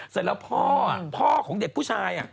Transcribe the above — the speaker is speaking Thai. เสร็จแล้วพ่อพ่อของเด็กผู้ชาย